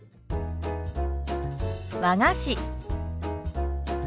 「和菓子」。